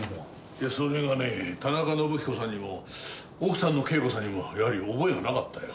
いやそれがね田中伸彦さんにも奥さんの啓子さんにもやはり覚えがなかったよ。